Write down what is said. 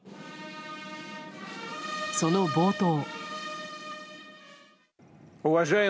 その冒頭。